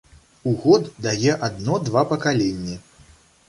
У год дае адно-два пакаленні.